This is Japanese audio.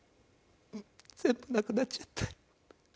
全部なくなっちゃった。